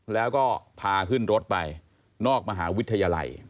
แล้วก็พาขึ้นรถไปนอกมหาวิทยาลัย